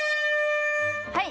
はい！